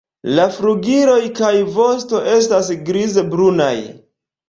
La flugiloj kaj vosto estas grizbrunaj.